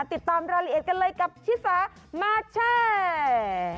ติดตามรายละเอียดกันเลยกับชิสามาแชร์